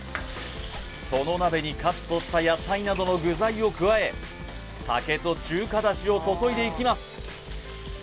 その鍋にカットした野菜などの具材を加え酒と中華出汁を注いでいきます